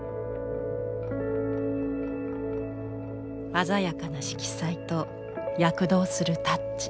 鮮やかな色彩と躍動するタッチ。